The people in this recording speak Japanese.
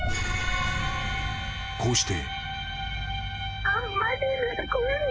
［こうして］